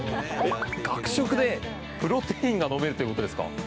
学食でプロテインが飲めるということですか？